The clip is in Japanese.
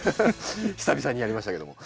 久々にやりましたけども。